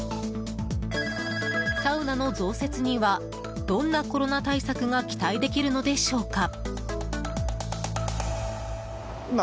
サウナの増設にはどんなコロナ対策が期待できるのでしょうか？